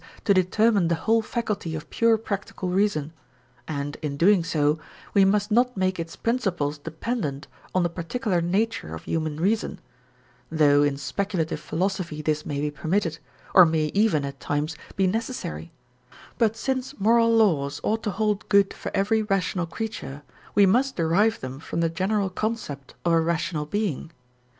to determine the whole faculty of pure practical reason; and, in doing so, we must not make its principles dependent on the particular nature of human reason, though in speculative philosophy this may be permitted, or may even at times be necessary; but since moral laws ought to hold good for every rational creature, we must derive them from the general concept of a rational being.